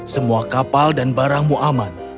semua kapal dan barangmu aman